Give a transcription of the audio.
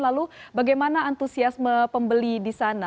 lalu bagaimana antusiasme pembeli di sana